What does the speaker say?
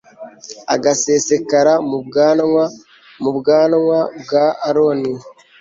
agasesekara mu bwanwa, mu bwanwa bwa aroni